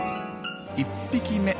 １匹目。